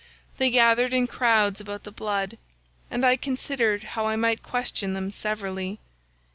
They gathered in crowds about the blood, and I considered how I might question them severally.